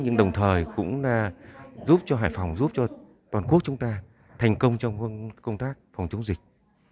nhưng đồng thời cũng giúp cho hải phòng giúp cho toàn quốc chúng ta thành công trong công tác phòng chống dịch